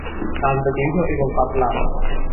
কাণ্ড দীর্ঘ এবং পাতলা।